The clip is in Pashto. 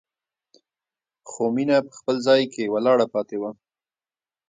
خو مينه په خپل ځای کې ولاړه پاتې وه.